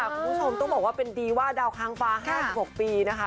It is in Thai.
คุณผู้ชมต้องบอกว่าเป็นดีว่าดาวค้างฟ้า๕๖ปีนะคะ